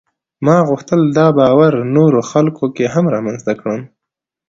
ما غوښتل دا باور نورو خلکو کې هم رامنځته کړم.